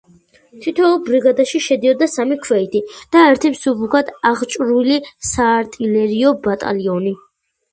თითოეულ ბრიგადაში შედიოდა სამი ქვეითი და ერთი მსუბუქად აღჭურვილი საარტილერიო ბატალიონი.